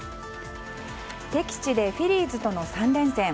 敵地でフィリーズとの３連戦。